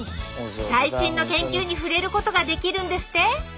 最新の研究に触れることができるんですって？